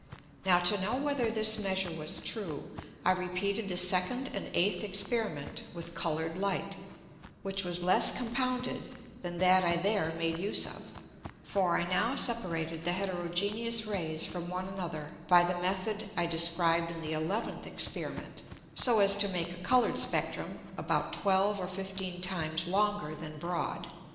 Now to know whether this Measure was true, I repeated the second and eighth Experiment with coloured Light, which was less compounded than that I there made use of: For I now separated the heterogeneous Rays from one another by the Method I described in the eleventh Experiment, so as to make a coloured Spectrum about twelve or fifteen Times longer than broad.